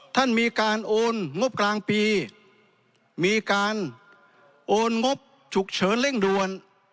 ท่านมีการโอนงบกลางปีมีการโอนงบฉุกเฉินเร่งด่วน